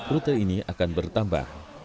rute ini akan bertambah